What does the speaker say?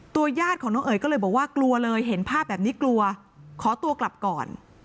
ญาติของน้องเอ๋ยก็เลยบอกว่ากลัวเลยเห็นภาพแบบนี้กลัวขอตัวกลับก่อน